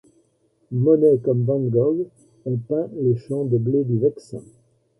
Monet comme van Gogh ont peint les champs de blé du Vexin.